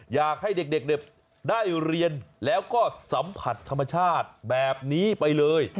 อยากให้เด็กได้เรียนแล้วก็สัมผัสธรรมชาติแบบนี้ไปเลย